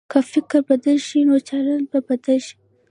که فکر بدل شي، نو چلند به بدل شي.